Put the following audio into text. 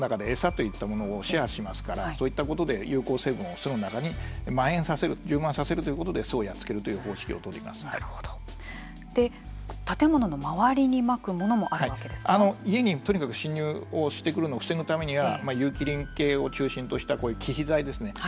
アリは巣の中でそういったことで有効成分を巣の中にまん延させる充満させるということで巣をやっつけるという建物の周りにまくものも家にとにかく侵入をして来るのを防ぐためには有機リン系を中心とした忌避剤ですね。